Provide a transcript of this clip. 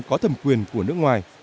có thẩm quyền của nước ngoài